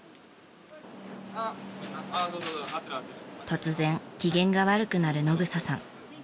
突然機嫌が悪くなる野草さん。